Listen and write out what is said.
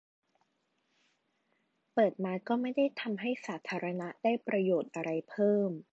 - เปิดมาก็ไม่ได้ทำให้สาธารณะได้ประโยชน์อะไรเพิ่ม